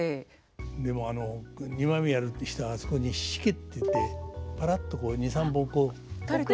でもあの二枚目やる人はあそこに「しけ」っていってパラッと２３本。垂れてますね。